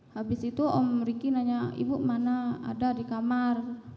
habis itu om riki nanya ibu mana ada di kamar